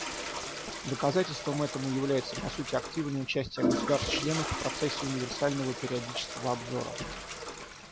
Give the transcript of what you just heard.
Доказательством этому является, по сути, активное участие государств-членов в процессе универсального периодического обзора.